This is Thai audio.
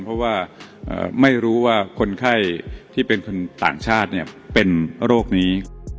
เพราะว่าไม่รู้ว่าคนไข้ที่เป็นคนต่างชาติเป็นโรคนี้